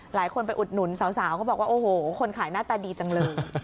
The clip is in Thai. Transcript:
หลายคนไปอุดหนุนสาวเขาบอกว่าโอ้โหคนขายหน้าตาดีจังเลย